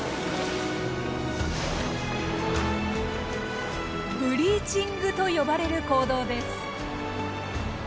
ブリーチングと呼ばれる行動です。